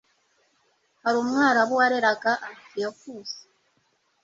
hari umwarabu wareraga antiyokusi